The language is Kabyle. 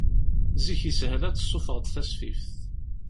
Zik yeshel ad d-tessufɣeḍ tasfift.